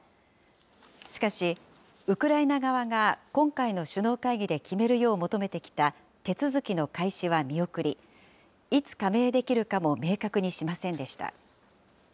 しかし、ウクライナ側が今回の首脳会議で決めるよう求めてきた手続きの開始は見送り、いつ加盟できるかも明確にしませんでした。